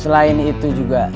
selain itu juga